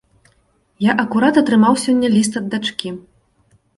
Я акурат атрымаў сёння ліст ад дачкі.